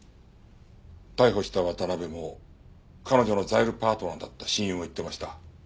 逮捕した渡辺も彼女のザイルパートナーだった親友も言ってました。